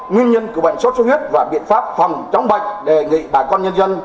nguyên nhân của bệnh sốt xuất huyết và biện pháp phòng chống bệnh đề nghị bà con nhân dân